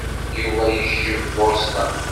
Yuba yejjem Boston.